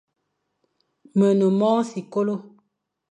Me ne mong sikolo.